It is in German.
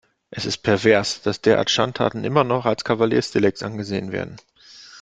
Es ist pervers, dass derlei Schandtaten immer noch als Kavaliersdelikt angesehen werden.